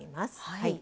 はい。